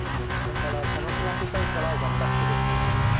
だから楽しませたいから頑張ってるって感じです。